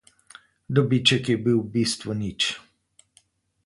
Dobiček je bil v bistvu nič.